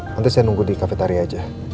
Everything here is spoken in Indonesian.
nanti saya nunggu di cafetari aja